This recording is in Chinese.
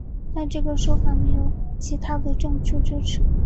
但这个说法没有其他的证据支持。